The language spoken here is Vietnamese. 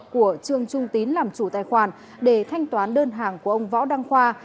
của trương trung tín làm chủ tài khoản để thanh toán đơn hàng của ông võ đăng khoa